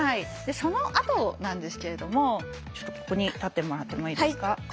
そのあとなんですけれどもちょっとここに立ってもらってもいいですか？